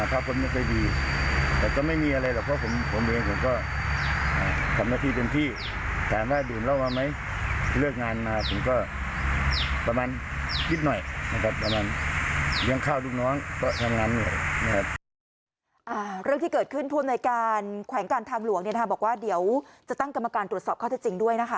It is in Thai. อ่าเรื่องที่เกิดขึ้นทวนในการแขวงกันทางหลวงเนี่ยค่ะบอกว่าเดี๋ยวจะตั้งกรรมการตรวจสอบเขาเท่าจริงด้วยนะคะ